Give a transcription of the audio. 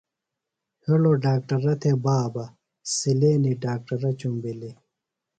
ہڑوۡ ڈاکٹرہ تھےۡ بابہ، سِلینیۡ ڈاکٹرہ چُمبِلیۡ